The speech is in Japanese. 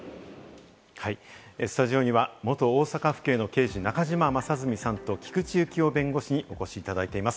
スタジオには元大阪府警の刑事・中島正純さんと菊地幸夫弁護士にお越しいただいています。